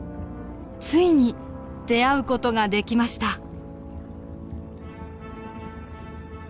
ついに出会う事ができました。